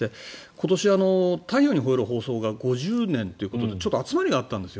今年「太陽にほえろ！」の放送から５０年ということで集まりがあったんですよ。